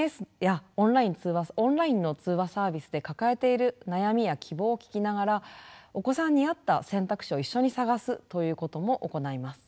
ＳＮＳやオンラインの通話サービスで抱えている悩みや希望を聞きながらお子さんに合った選択肢を一緒に探すということも行います。